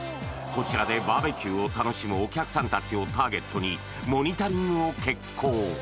こちらでバーベキューを楽しむお客さんたちをターゲットにモニタリングを決行